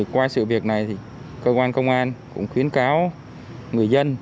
qua sự việc này thì cơ quan công an cũng khuyến cáo người dân